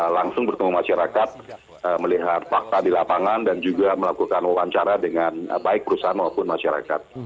langsung bertemu masyarakat melihat fakta di lapangan dan juga melakukan wawancara dengan baik perusahaan maupun masyarakat